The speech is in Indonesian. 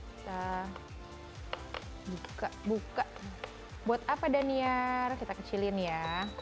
kita buka buat apa daniar kita kecilin ya